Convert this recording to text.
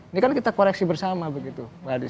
ini kan kita koreksi bersama begitu